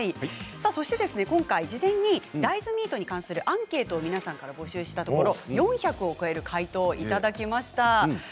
そして今回、事前に大豆ミートに関するアンケートを皆さんから募集したところ４００を超える回答をいただきました。